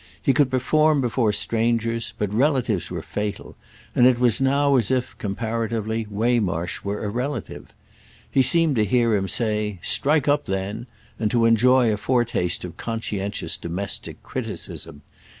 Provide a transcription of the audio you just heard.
He could perform before strangers, but relatives were fatal, and it was now as if, comparatively, Waymarsh were a relative. He seemed to hear him say "Strike up then!" and to enjoy a foretaste of conscientious domestic criticism.